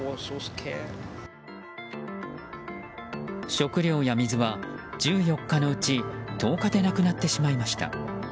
食料や水は、１４日のうち１０日でなくなってしまいました。